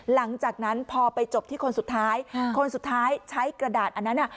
หลังจากนั้นพอไปจบที่คนสุดท้ายคนสุดท้ายใช้กระดาษอันนั้นอ่ะ